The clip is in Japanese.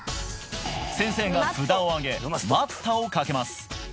先生が札を挙げ「待った」をかけます